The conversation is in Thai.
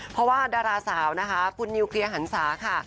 เพราะว่าดาราสาวนะคะคุณนิวเคลียร์หันศาค่ะ